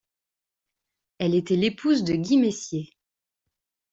Elle était l'épouse de Guy Messier.